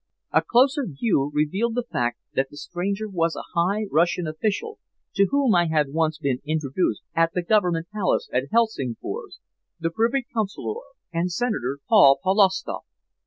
A closer view revealed the fact that the stranger was a high Russian official to whom I had once been introduced at the Government Palace at Helsingfors, the Privy Councillor and Senator Paul Polovstoff.